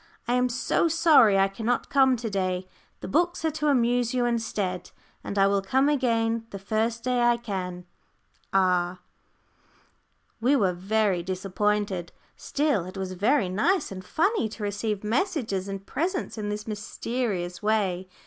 I am so sorry I cannot come to day. The books are to amuse you instead, and I will come again the first day I can. "R." We were very disappointed. Still, it was very nice and funny to receive messages and presents in this mysterious way.